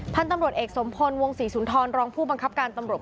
พันธุ์ตำรวจเอกสมพลวงศรีสุนทรรองผู้บังคับการตำรวจ